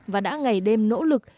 và đã ngày đêm nỗ lực